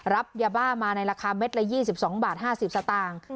รับยาบ้ามาในราคาเม็ดละยี่สิบสองบาทห้าสิบสตางค์